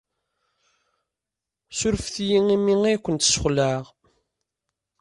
Ssurfet-iyi imi ay kent-sxelɛeɣ.